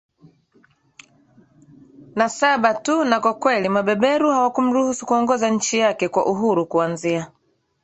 na Saba tu na kwa kweli mabeberu hawakumruhusu kuongoza nchi yake kwa uhuru kuanzia